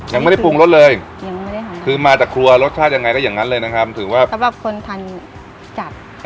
ยังไม่ได้ปรุงรสเลยยังไม่ได้ค่ะคือมาจากครัวรสชาติยังไงก็อย่างนั้นเลยนะครับถือว่าสำหรับคนทานจัด